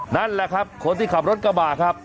นั่นแหละครับคนที่ขับรถกระบะครับ